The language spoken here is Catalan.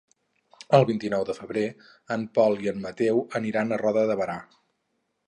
El vint-i-nou de febrer en Pol i en Mateu aniran a Roda de Berà.